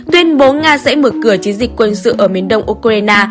tuyên bố nga sẽ mở cửa chiến dịch quân sự ở miền đông ukraine